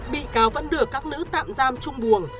bị cáo vẫn đưa các nữ tạm giam trung buồn